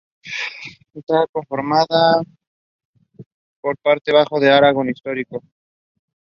Bernier is the younger brother of fellow footballer Florent Bernier.